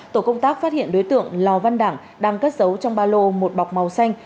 tổ công tác phát hiện đối tượng lò văn đảng đang cất giấu trong ba lô một bọc màu xanh